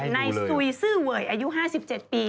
ในซุยซื่อเวยอายุ๕๗ปี